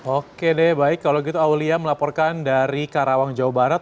oke deh baik kalau gitu aulia melaporkan dari karawang jawa barat